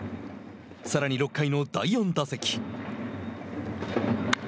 さらに、６回の第４打席。